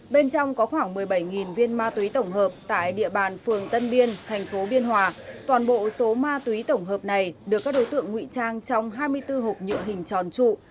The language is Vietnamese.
bên trong có khoảng một mươi bảy viên ma túy tổng hợp tại địa bàn phường tân biên thành phố biên hòa toàn bộ số ma túy tổng hợp này được các đối tượng ngụy trang trong hai mươi bốn hộp nhựa hình tròn trụ